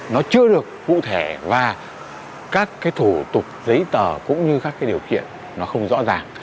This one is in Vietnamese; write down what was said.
nó chưa được cụ thể và các cái thủ tục giấy tờ cũng như các cái điều kiện nó không rõ ràng